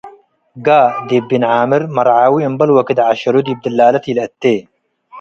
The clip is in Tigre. ጋ ዲብ ቢን-ዓመር፤ መርዓዊ እምበል ወክድ ዐሸሉ ዲብ ድላለት ኢለአቴ ።